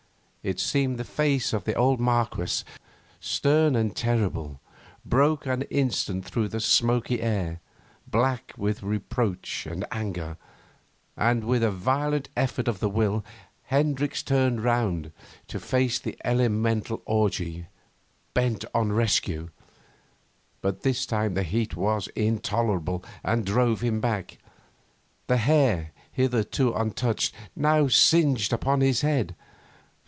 It seemed the face of the old Marquess, stern and terrible, broke an instant through the smoky air, black with reproach and anger. And, with a violent effort of the will, Hendricks turned round to face the elemental orgy, bent on rescue. But this time the heat was intolerable and drove him back. The hair, hitherto untouched, now singed upon his head.